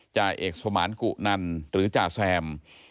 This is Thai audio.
จ่าเอกสมานกุนันหรือจ่าแซม